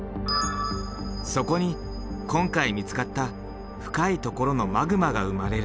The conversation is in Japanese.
そこに今回見つかった深いところのマグマが生まれる。